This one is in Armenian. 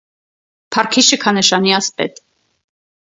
Փառքի շքանշանի ասպետ։